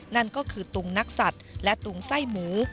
นั่นก็คือตุงนักสัตว์และตุงไส้หมู